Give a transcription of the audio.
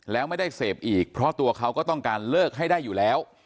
แล้วไม่ได้เสพอีกเพราะตัวเขาก็ต้องการเลิกให้ได้อยู่แล้ว